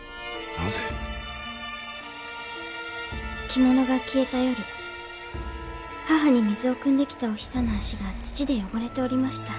着物が消えた夜母に水を汲んできたおひさの足が土で汚れておりました。